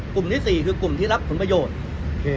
กลุ่มที่๔คือกลุ่มที่รับผลประโยชน์